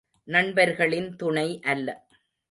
நண்பர்களின் துணை அல்ல.